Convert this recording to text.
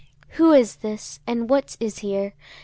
Who is this? and what is here?